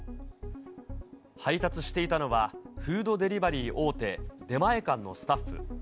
配達していたのは、フードデリバリー大手、出前館のスタッフ。